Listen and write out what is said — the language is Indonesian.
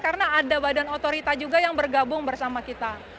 karena ada badan otorita juga yang bergabung bersama kita